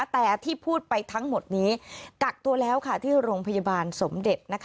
แต่ที่พูดไปทั้งหมดนี้กักตัวแล้วที่โรงพยาบาลสมเด็จ